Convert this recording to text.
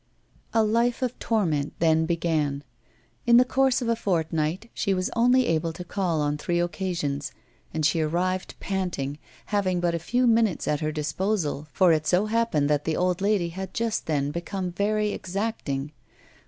A life of torment then began. In the course of a fortnight she was only able to call on three occasions; and she arrived panting, having but a few minutes at her disposal, for it so happened that the old lady had just then become very exacting.